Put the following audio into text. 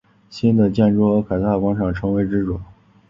新的建筑和凯撒广场成为直角。